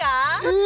え！？